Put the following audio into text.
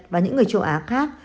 và những người châu á khác